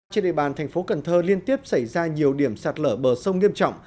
trên địa bàn thành phố cần thơ liên tiếp xảy ra nhiều điểm sạt lở bờ sông nghiêm trọng